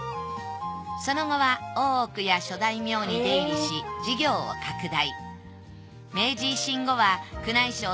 その後は大奥や諸大名に出入りし事業を拡大